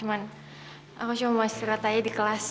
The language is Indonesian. aku cuma mau istirahat aja di kelas